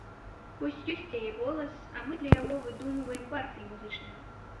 Вось ёсць яе голас, а мы для яго прыдумваем партыі музычныя.